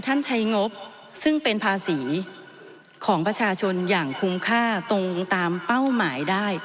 ใช้งบซึ่งเป็นภาษีของประชาชนอย่างคุ้มค่าตรงตามเป้าหมายได้